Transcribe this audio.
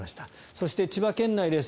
そして、千葉県内です。